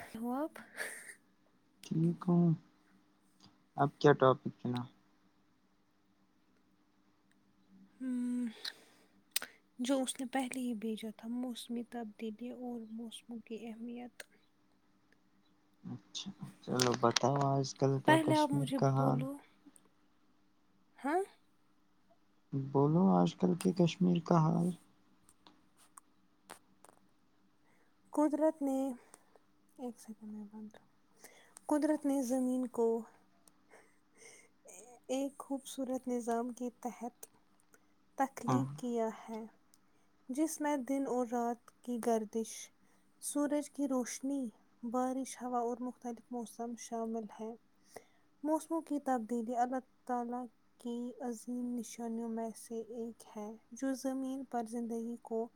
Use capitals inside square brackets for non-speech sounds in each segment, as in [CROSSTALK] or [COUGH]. Hello اب ٹھیک ہوں اب کیا ٹوپی پناؤ ہمم، جو اس نے پہلے ہی بھیجا تھا موسمی تبدیلی اور موسموں کی اہمیت اچھا چلو بتاؤ آج کل کا پہلے آپ کشمیر مجھے کا حال ہیں بولو آج کل کے کشمیر کا حال قدرت نے ایک سیکنڈ میں بول رہی قدرت نے زمین کو اے ایک خوبصورت نظام کے تحت تخلیق کیا ہے جس میں دن اور رات کی گردش سورج کی روشنی بارش ہوا اور مختلف موسم شامل ہیں موسموں کی تبدیلی اللہ تعالی کی عظیم نشانیوں میں سے ایک ہے جو زمین پر زندگی کو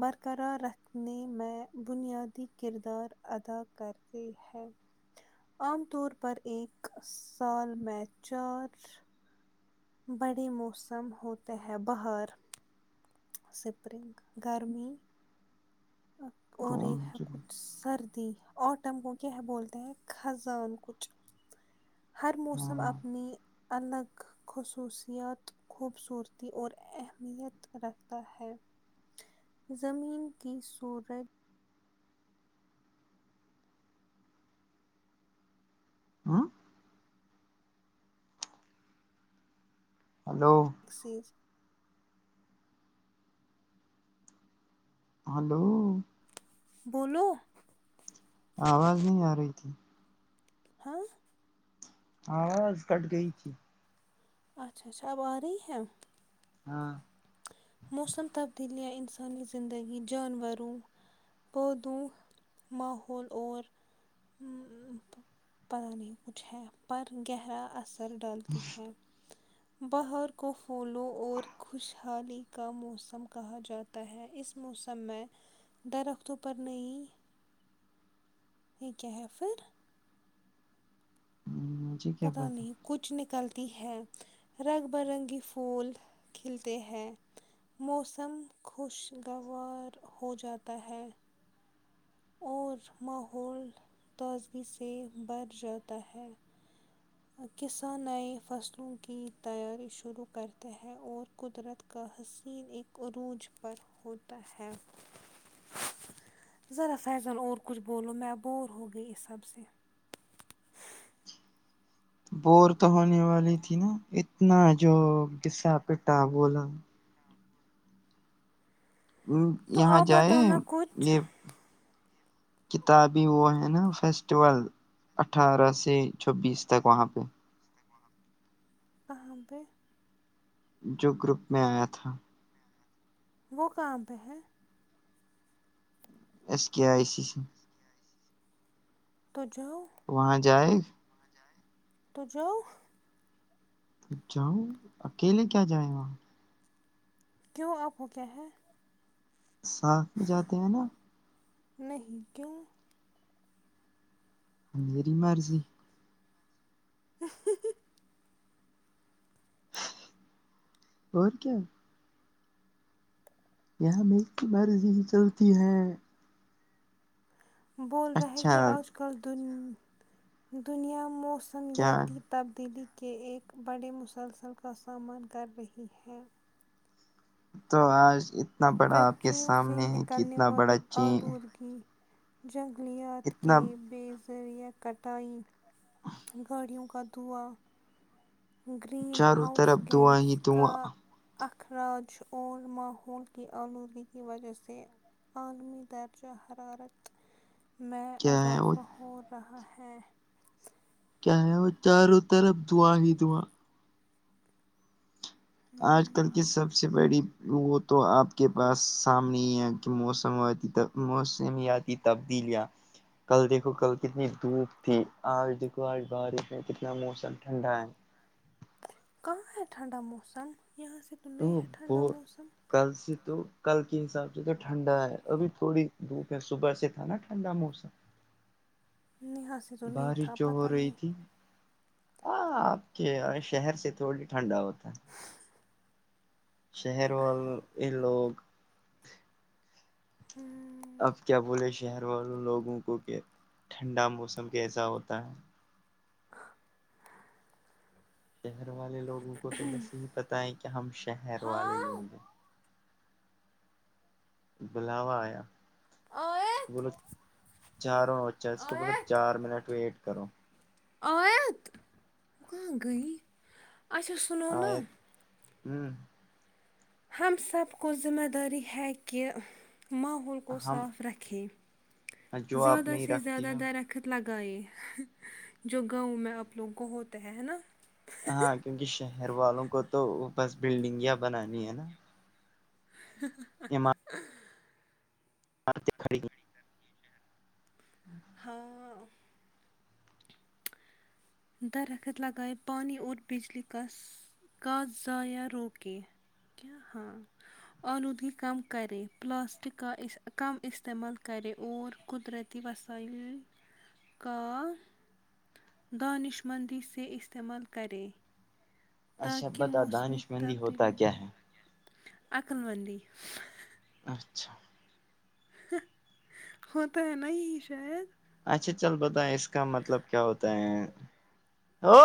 برقرار رکھنے میں بنیادی کردار ادا کرتے ہیں عام طور پر ایک سال میں چار بڑے موسم ہوتے ہیں بہار اسپرنگ گرمی اور یے ہے کچھ سرد اور ٹنگ کو کیا ہے بولتے ہیں خزان کچھ ہر موسم اپنی الگ خصوصیات خوبصورتی اور اہمیت رکھتا ہے زمین کی سورج آ ہیلو ایک سیج ہیلو بولو آواز نہیں آ رہی تھی ہاں آواز کٹ گئی تھی اچھا اچھا اب آ رہی ہے ہاں موسم تبدیلیاں انسانی زندگی جانوروں پودوں ماحول اور ہمم ہمم پتہ نہیں کچھ ہے پر گہرا اثر ڈالتی ہے باہار کو پھولوں اور خوشحالی کا موسم کہا جاتا ہے اس موسم میں درختوں پر نہیں یے کیا ہے پھر مجھے کیا پتہ پتا نہیں کچھ نکلتی ہے رنگ برنگی پھول کھلتے ہیں موسم خوشگوار ہو جاتا ہے اور ماحول تازگی سے بھر جاتا ہے کسان نئے فصلوں کی تیاری شروع کرتے ہیں اور قدرت کا حسین ایک عروج پر ہوتا ہے ذرا فیضل اور کچھ بولو میں اب بور ہو گئی اس سب سے بور تو ہونے والی تھی نہ اتنا جو گسا پٹا بولا تو یہاں آپ جائے بتاؤ نا کچھ یے کتابی وہ ہے نہ فیسٹیول اٹھارہ سے چھبیس تک وہاں پے کہا پے جو گروپ میں آیا تھا وہ کہا پے ہے ایس کے آئی سی سی تو جاؤ وہاں جائے تو جاؤ جاؤ اکیلے کیا جائے وہاں کیوں آپ کو کیا ہے ساتھ جاتے ہیں نہ نہیں کیوں میری مرضی ہی ہی ہی اور کیا یہاں انکی مرضی چلتی ہے بول رہے ہے اچھا کہ آج کل دن دنیا کیا موسمیاتی تب دل کے ایک بڑے مسلسل کا سامنا کر رہی ہے تو آج اتنا بڑا آپ کے فیکٹریوں سامنے ہے اتنا بڑا چین کی جنگلیات کے بے ذریعہ کٹائی گاڑیوں کا دھواں گرین چاروں ہاؤس طرف دعا ہی گیس کا دعا اخراج اور ماحول کی آلودگی کی وجہہ سے عالمی درجہ حرارت میں کیا ہے وہ اضافہ ہو رہا ہے کیا ہے وہ چاروں طرف دھواں ہی دھواں آج کل کی سب سے بڑی بلوت ہو آپ کے پاس سامانیا کہ موسموادی موسمیاتی تبدیلیاں کل دیکھو کل کتنی دھوپ تھی آج دیکھو آج بارش میں کتنا موسم ٹھنڈا ہے کہاں ہے ٹھنڈا موسم یہاں س ا بور کل سے تو کل کے حساب سے تو ٹھنڈا ہے ابھی تھوڑی دھوپ ہے صبح سے تھا نہ ٹھنڈا موسم نحصہ بارش جو ہو رہی تھی ہاں آپ کے شہر سے تھوڑی ٹھنڈا ہوتا ہے شہر اور یہ لوگ ہوں اب کیا بولے شہر والوں لوگوں کو کہ ٹھنڈا موسم کیسا ہوتا ہے [INAUDIBLE] شہر والے لوگوں کو تو بس یہی پتہ ہے کہ ہم شہر والے ہاں لوگ ہیں بلاوا آیا آیت اسکول جاروں اچھا اس کو بولو چار منٹ ویٹ کرو آیات کہاں گیی اچھا سونو آیات ہ ہم سب کو ذمہ داری ہے کہ ماحول کو ہم صاف رکھیں جو آپ زیادہ نہیں سے رکھتی زیادہ ہو درخت خت لگائے جو گاؤں میں آپ لوگ کو ہوتے ہیں نا ہاں کیونکہ شہر والوں کو تو بس بلڈنگیا بنانی ہے نا ہ۔ ہ۔ ہ یہ م آرتے کھڑی ہے ہاں درخت لگائے پانی اور بجلی کاس کاس ذائعہ روکے کیا ہاں آلودگی کم کرے پلاسٹک کا کم استعمال کرے اور قدرتی وسائل ہے کا دانش مندی سے استعمال کریں اچھا تاکی بتا موسمی دانش مندی ہوتا تبدیلی کیا ہے عقل مندی اچھا ہوتا ہے نہ یہی شاید اچھا چل بتائیں اس کا مطلب کیا ہوتا ہے ہو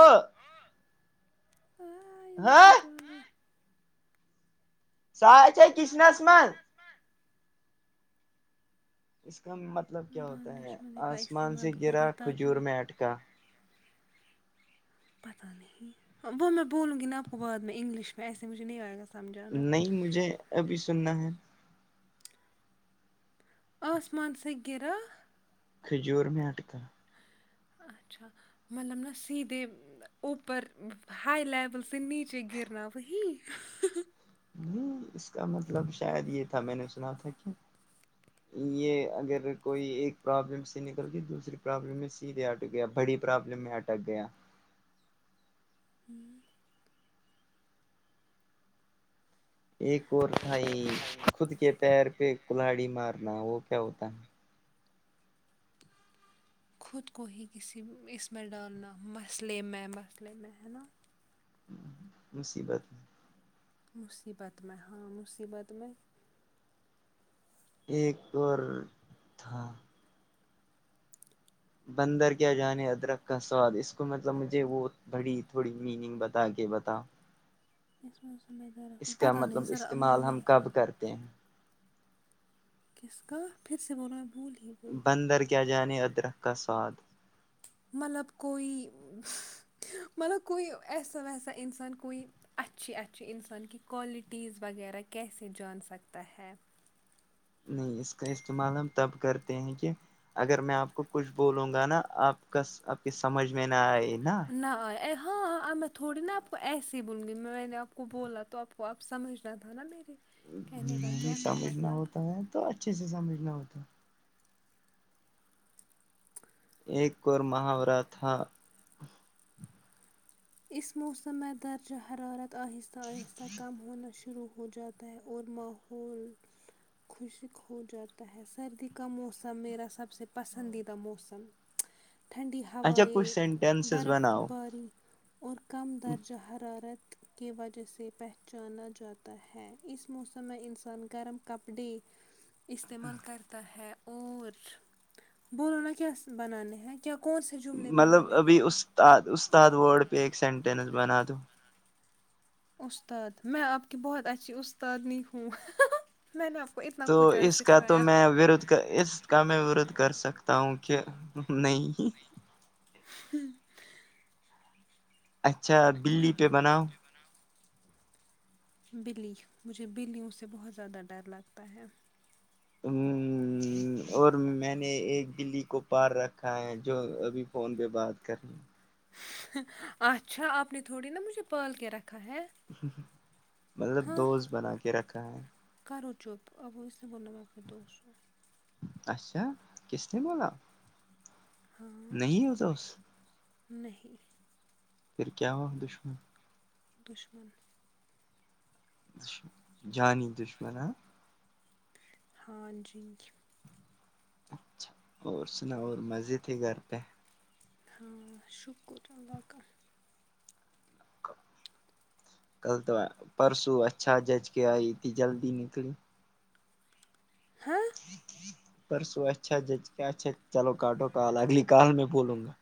آئے ہاں نہیں جانا [UNINTELLIGIBLE] اس کا مطلب کیا ہوتا ہے دانش مندی کا آسمان استعمال سے کرے گرا تاکہ کھجور میں اٹکا پتہ نہیں وہ میں بولوں گی نا آپ کو بعد میں انگلش میں ایسے مجھے نہیں آئے گا سمجھانا نہیں مجھے ابھی سننا ہے آسمان سے گرا کھجور میں اٹکا اچھا مطلب نا سیدھے اوپر ہائی لیول سے نیچے گرنا وہی ہمم اس کا مطلب شاید یے تھا میں نے سنا تھا کی یے اگر کوئی ایک پرابلم سے نکل کے دوسری پرابلم میں سیدھے اٹک گیا بڑی پرابلم میں اٹ لگیا ہمم ایک اور تھا یہی خود کے پیر پے کلاڑی مارنا وہ کیا ہوتا خود کو ہی کسی اس میں ڈالنا مسئلے میں مسئلے میں ہے نا مصیبت مصیبت میں ہاں مصیبت میں ایک اور تھا بندر کیا جانے ادرک کا سواد اس کو مطلب مجھے وہ بڑی تھوڑی میننگ بتا کے بتا پتہ نہیں ہے ذرا اب مجھے نہیں پتہ ہے [UNINTELLIGIBLE] تے کس کا پھر سے بولو میں بھول گیی بندر کیا جانے ادرک کا سواد مطلب کوئی مطلب کوئی ایسا ویسا انسان کوئی اچھی اچھی انسان کی کوالٹیز وغیرہ کیسے جان سکتا ہے نہیں اس کا استعمال ہم تب کرتے ہیں کہ اگر میں آپ کو کچھ بولوں گا نا آپ کا آپ کی سمجھ میں نہ آئے نا نہ آئے ہاں اب میں تھوڑی نا آپ کو ایسے ہی بولوں گی میں نے آپ کو بولا تو آپ کو وہ آب سمجھنا تھا نا میری سمجھنا ہوتا ہے تو اچھے سے سمجھنا ہوتا ایک اور محاورہ تھا اس موسم میں درجہ حرارت آہستہ آہستہ کم ہونا شروع ہو جاتا اور ماحول خشک ہو جاتا ہے سردی کا موسم میرا سب سے پسندیدہ موسم ٹھنڈی اچھا کچھ ہوائیں سینٹینسز برف بناؤ باری اور کم درجہ حرارت کے وجہ سے پہچانا جاتا ہے اس موسم میں انسان گرم کپڑے استعمال کرتا ہے اور بولو نا کیسے بنانے ہیں کیا کون سے جملے بنانے ہیں اسد استاد ورڈ پہ ایک سینٹینس بنا دو استاد میں آپ کی بہت اچھی استادنی ہوں میں نے آپ کو ا تو اس کا تو میں ورھ کر اس کا میں ورھ کر سکتا ہوں کہ نہیں ہوں اچھا اب بلی پہ بناؤ بلی مجھے بلیوں سے بہت زیادہ ڈر لگتا ہے ہوں اور میں نے ایک بلی کو پال رکھا ہے جو ابھی فون پہ بات کر رہی اچھا آپ نے تھوڑی نا مجھے پال کے رکھا ہے مطلب ہاں دوست بنا کے رکھا ہے کرو چپ اب اس نا ب نمق دوسو اچھا کس نے بولا ہاں نہیں ہو دوست نہیں پھر کیا ہوا دشمن دشمن ہو جانی دشمن ہ ہاں جی کیو اچھا اور سنا اور مزے تھے گھر پہ ہاں شکر اللہ کا کل تو پرسوں اچھا جج کے آئی تھی جلدی نکلی ہاں پرسوں اچھا جج کیا اچھا چلو کاٹو کال اگئی کال میں بولوں گا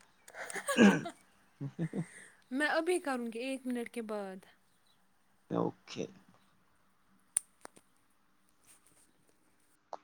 میں ابھی کروں گی ایک منٹ کے بعد اوکے